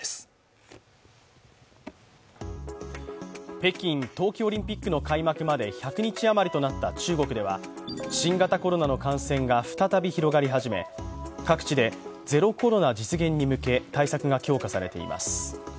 北京冬季オリンピックの開幕まで１００日余りとなった中国では新型コロナの感染が再び広がり始め、各地でゼロコロナ実現に向け対策が強化されています。